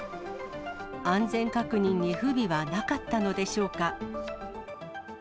安全確認に不備はなかったのでしょうか。